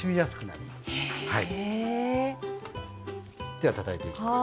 ではたたいていきます。